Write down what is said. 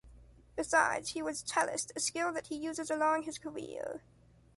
Besides, he was cellist, a skill that he uses along his career.